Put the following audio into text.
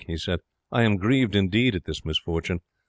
he said, "I am grieved, indeed, at this misfortune.